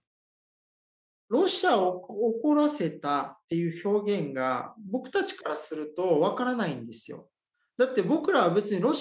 「ロシアを怒らせた」っていう表現が僕たちからすると分からないんですよ。